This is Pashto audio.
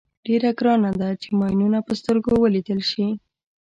ډېره ګرانه ده چې ماینونه په سترګو ولیدل شي.